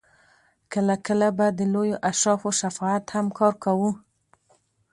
کله کله به د لویو اشرافو شفاعت هم کار کاوه.